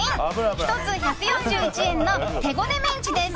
１つ１４１円の手ごねメンチです。